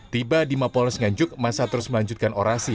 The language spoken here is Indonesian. tiba di mapolres nganjuk masa terus melanjutkan orasi